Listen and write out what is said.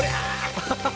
アハハハ。